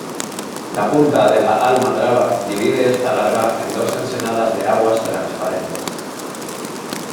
La Punta de la Almadraba divide esta larga en dos ensenadas de aguas transparentes.